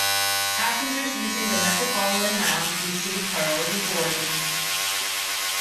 Passengers using the Metropolitan Lounge receive priority boarding.